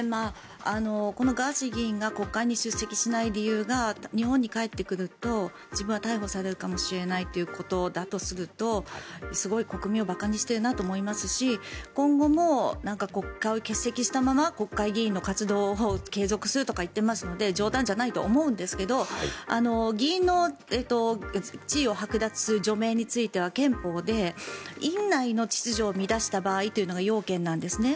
ガーシー議員が国会に出席しない理由が日本に帰ってくると自分は逮捕されるかもしれないということだとするとすごい、国民を馬鹿にしているなと思いますし今後も国会を欠席したまま国会議員の活動を継続するとか言っていますので冗談じゃないと思いますが議員の地位をはく奪する除名については憲法で院内の秩序を乱した場合というのが要件なんですね。